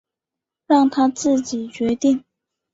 让他自己决定